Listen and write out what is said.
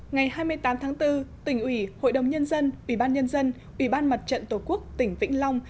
ngày hai mươi tám tháng bốn tỉnh ủy hội đồng nhân dân ủy ban nhân dân ủy ban mặt trận tổ quốc tỉnh vĩnh long